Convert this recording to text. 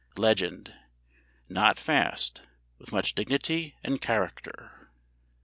"LEGEND" ("Not fast; with much dignity and character") 2.